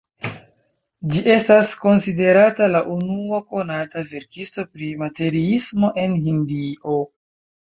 Ĝi estas konsiderata la unua konata verkisto pri materiismo en Hindio.